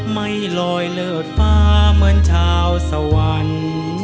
ไม่ลอยเลิศฟ้าเหมือนชาวสวรรค์